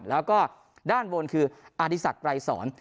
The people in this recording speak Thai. แล้วก็ด้านบนคืออธิสักไกรสอน